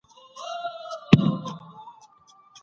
زه مسئول یم.